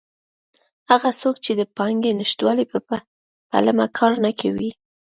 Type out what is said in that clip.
هغه څوک چې د پانګې نشتوالي په پلمه کار نه کوي.